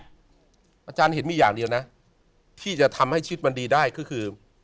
อาจารย์เห็นมีอย่างเดียวนะที่จะทำให้ชีวิตมันดีได้ก็คือ